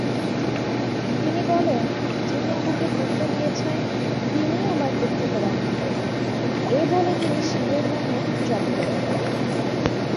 তিনি বলেন, ‘যিনি আমাকে পুত্র দিয়েছেন, তিনিই আমার পুত্রকে রক্ষা করবেন।’ এই বলে তিনি শিবের নাম জপ করতে থাকেন।